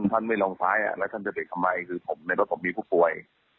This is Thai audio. ท่านไม่ลงท้ายแล้วท่านจะเบรกทำไมคือผมในรถผมมีผู้ป่วย